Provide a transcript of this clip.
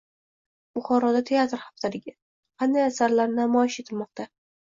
Buxoroda teatr haftaligi: qanday asarlar namoyish etilmoqda?